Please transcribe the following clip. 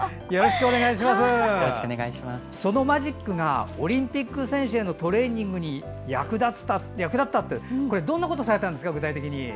そのマジックがオリンピック選手へのトレーニングに役立ったってどんなことをされたんですか？